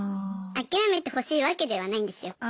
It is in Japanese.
諦めてほしいわけではないんですよ。